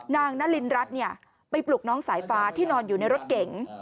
นางนารินรัฐไปปลุกน้องสายฟ้าที่นอนอยู่ในรถเก๋ง